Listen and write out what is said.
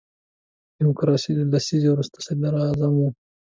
د ډیموکراسۍ د لسیزې وروستی صدر اعظم وو.